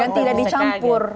dan tidak dicampur